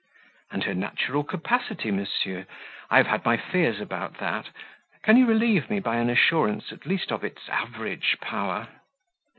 "And her natural capacity, monsieur? I have had my fears about that: can you relieve me by an assurance at least of its average power?"